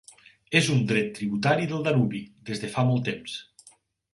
És un dret tributari del Danubi, des de fa molt temps.